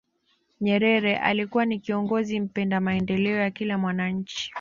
nyerere alikuwa ni kiongozi mpenda maendeleo ya kila mwananchi